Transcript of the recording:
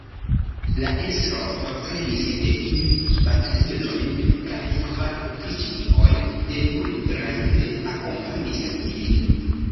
La estro forprenis de ili batalilojn, kaj kvar opriĉnikoj denun rajde akompanis ilin.